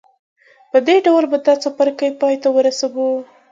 په دې ډول به دا څپرکی پای ته ورسوو